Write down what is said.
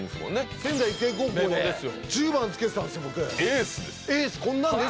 仙台育英高校で１０番をつけエースです。